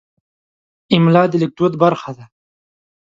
املا د لیکدود برخه ده.